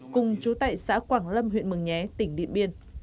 cùng chú tại xã quảng lâm huyện mường nhé tỉnh điện biên